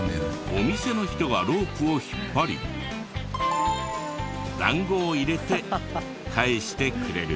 お店の人がロープを引っ張り団子を入れて返してくれる。